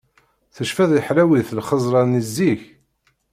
Tefciḍ i ḥlawit lxeẓrat-nni zik?!